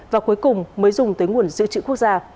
và cuối cùng mới dùng tới nguồn dự trữ quốc gia